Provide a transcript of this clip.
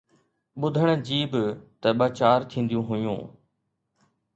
ٻُڌڻ جي به ته ٻه چار ٿينديون هيون